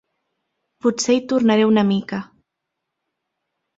Potser hi tornaré una mica.